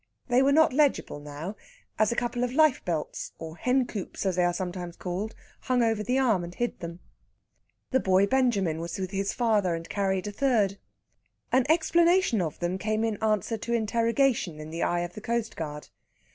They were not legible now, as a couple of life belts, or hencoops, as they are sometimes called, hung over the arm and hid them. The boy Benjamin was with his father, and carried a third. An explanation of them came in answer to interrogation in the eye of the coastguard.